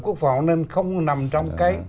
quốc phòng nên không nằm trong